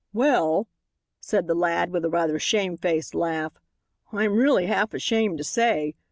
"Well," said the lad with a rather shamefaced laugh, "I'm really half ashamed to say.